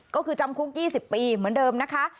ก็คือจำคุก๒๐ปีเหมือนเดิมนะคะ